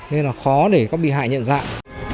nên là khó để các bị hại nhận dạng